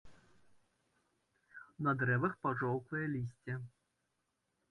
На дрэвах пажоўклае лісце.